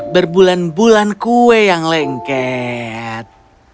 berbulan bulan kue yang lengket